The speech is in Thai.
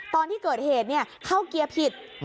ตอนที่เกิดเหตุเข้าเกียร์ผิด